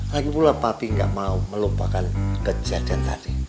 lagipula papi gak mau melupakan kejadian tadi